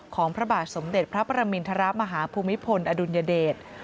พระบาทสมเด็จพระประมินทรมาฮภูมิพลอดุลยเดช